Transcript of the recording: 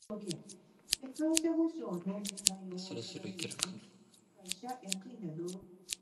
He continued facilitating union and political links.